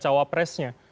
dalam bursa cawapresnya